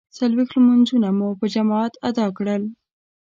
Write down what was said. څلویښت لمانځونه مو په جماعت ادا کول.